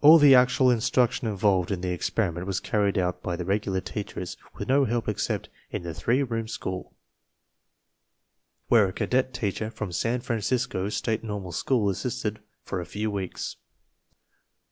All the actual instruction involved in the experiment was carried out by the regular teachers, with no help except in the three room school, where a cadet teacher from San Francisco State Normal School assisted for a few weeks.